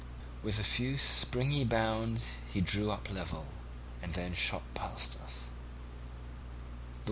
With a few springy bounds he drew up level, and then shot past us.